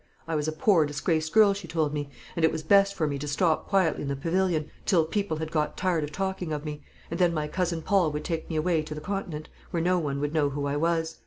I was a poor disgraced girl, she told me; and it was best for me to stop quietly in the pavilion till people had got tired of talking of me, and then my cousin Paul would take me away to the Continent, where no one would know who I was.